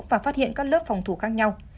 và phát hiện các lớp phòng thủ khác nhau